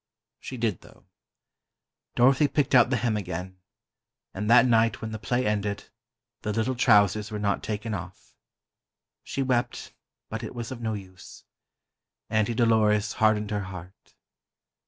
She did, though. Dorothy picked out the hem again, and that night when the play ended, the little trousers were not taken off. She wept, but it was of no use. Auntie Dolores hardened her heart.